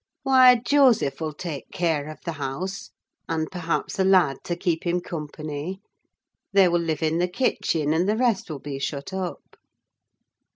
"Why, Joseph will take care of the house, and, perhaps, a lad to keep him company. They will live in the kitchen, and the rest will be shut up."